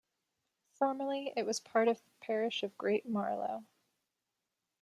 Formerly it was part of the parish of Great Marlow.